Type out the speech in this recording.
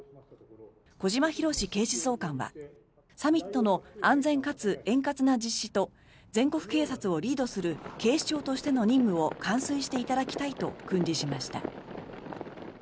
小島裕史警視総監はサミットの安全かつ円滑な実施と全国警察をリードする警視庁としての任務を完遂していただきたいと訓示しました。